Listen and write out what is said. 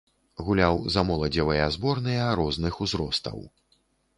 Гуляў за моладзевыя зборныя розных узростаў.